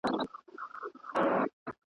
خدای مو ړانده که دا جهالت دی.